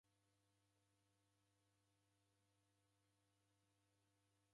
Mwazindika ni chumbo ra kidawida